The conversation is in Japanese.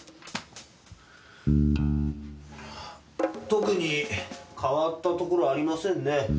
特に変わったところありませんね。